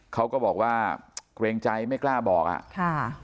เขาก็บอกว่าเกรงใจไม่กล้าบอกอ่ะค่ะ